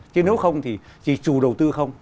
chứ nếu không thì chỉ trù đầu tư không